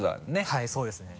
はいそうですね。